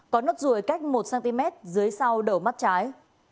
có nốt ruồi cách một cm dưới sau đầu mắt trái